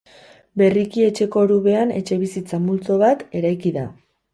Berriki etxeko orubean etxebizitza-multzo bat eraiki da.